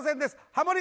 ハモリ